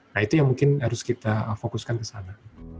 nah itu yang mungkin harus kita fokuskan ke sana